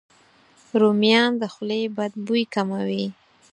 رومیان د خولې بد بوی کموي.